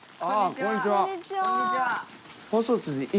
こんにちは！